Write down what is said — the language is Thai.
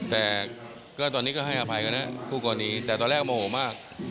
แต่ก็ตอนนี้ก็ให้อภัยกันนะคู่กรณีแต่ตอนแรกโมโหมาก